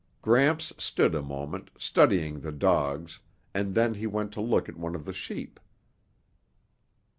Gramps stood a moment, studying the dogs, and then he went to look at one of the sheep.